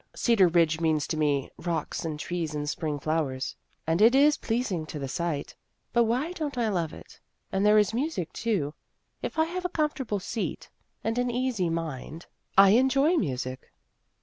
Cedar Ridge means to me rocks and trees, and spring flowers, and it is pleasing to the sight. But why don't I love it? And there is music too. If I have a comfortable seat and an easy mind, 192 Vassar Studies I enjoy music.